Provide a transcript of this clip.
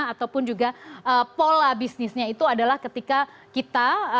ataupun juga pola bisnisnya itu adalah ketika kita